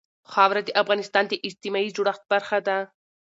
خاوره د افغانستان د اجتماعي جوړښت برخه ده.